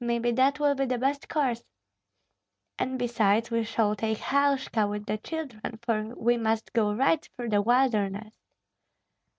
"Maybe that will be the best course." "And besides we shall take Halshka with the children, for we must go right through the wilderness."